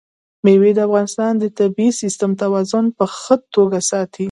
مېوې د افغانستان د طبعي سیسټم توازن په ښه توګه ساتي.